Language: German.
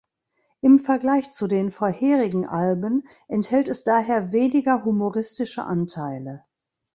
Im Vergleich zu den vorherigen Alben enthält es daher weniger humoristische Anteile.